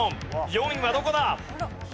４位はどこだ？